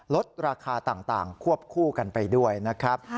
ลดราคาต่างควบคู่กันไปด้วยนะครับ